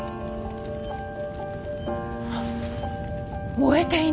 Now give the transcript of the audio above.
燃えていない！？